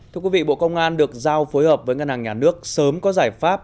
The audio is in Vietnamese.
thưa quý vị bộ công an được giao phối hợp với ngân hàng nhà nước sớm có giải pháp